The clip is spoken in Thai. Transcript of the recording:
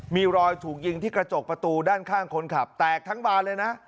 มีรอยถูกยิงที่กระจกประตูด้านข้างคนขับแตกทั้งบานเลยนะ